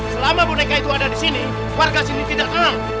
selama boneka itu ada di sini warga sini tidak tenang